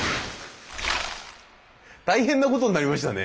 大変なことになりましたね。